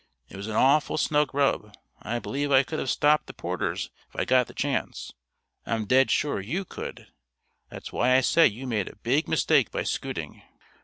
It was an awful snug rub. I believe I could have stopped the Porters if I'd got the chance; I'm dead sure you could. That's why I say you made a big mistake by scooting."